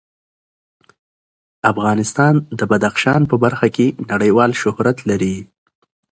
افغانستان د بدخشان په برخه کې نړیوال شهرت لري.